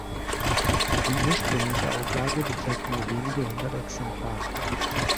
Die ursprüngliche Auflage beträgt nur wenige hundert Exemplare.